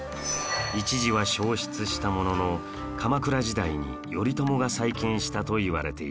一時は焼失したものの鎌倉時代に頼朝が再建したといわれているんです